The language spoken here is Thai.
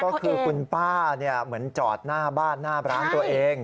ก็คือคุณป้าเหมือนจอดหน้าบ้านหน้าร้านตัวเอง